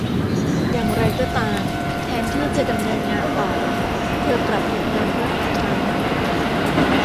อย่างไรก็ตาม แทนที่จะดำเนินงานต่อ เธอกลับหยุดงานเพิ่มอีกครั้ง